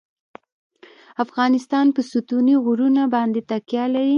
افغانستان په ستوني غرونه باندې تکیه لري.